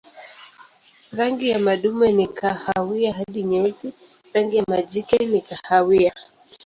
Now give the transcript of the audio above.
Rangi ya madume ni kahawia hadi nyeusi, rangi ya majike ni kahawia.